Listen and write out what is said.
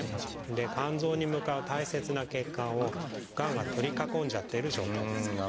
で肝臓に向かう大切な血管をがんが取り囲んじゃっている状態です。